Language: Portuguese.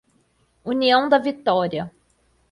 União da Vitória